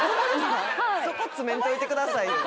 そこ詰めんといてくださいよ